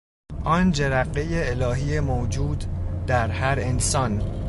آن جرقهی الهی موجود در هر انسان